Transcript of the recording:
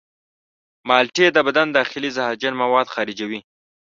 مالټې د بدن داخلي زهرجن مواد خارجوي.